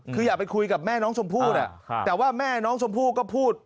คืออยากไปคุยกับแม่น้องชมพู่แต่ว่าแม่น้องชมพู่ก็พูด